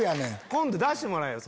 今度出してもらえよ。